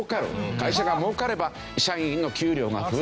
会社が儲かれば社員への給料が増える。